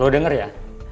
lo denger ya